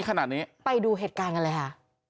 ขนาดนี้ไปดูเหตุการณ์กันเลยค่ะ